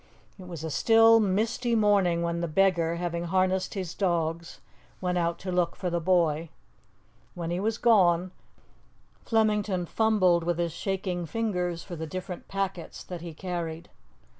It was a still, misty morning when the beggar, having harnessed his dogs, went out to look for the boy. When he was gone, Flemington fumbled with his shaking fingers for the different packets that he carried.